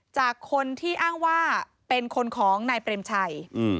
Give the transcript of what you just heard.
จากคนที่อ้างว่าเป็นคนของนายเปรมชัย